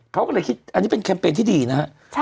เขาก็เลยคิดอันนี้เป็นแคมเปญที่ดีนะฮะ